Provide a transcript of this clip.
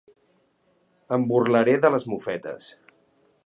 Em burlaré de les mofetes.